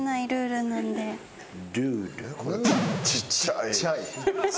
ちっちゃい。